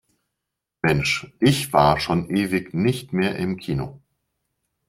Mensch, ich war schon ewig nicht mehr im Kino.